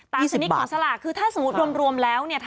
ตามสิ่งนี้ของสลักคือถ้าสมมติโดนรวมแล้ว